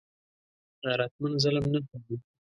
غیرتمند ظلم نه زغمي